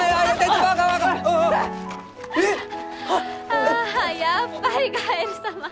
ああやっぱりカエル様！